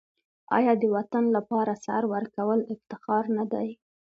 آیا د وطن لپاره سر ورکول افتخار نه دی؟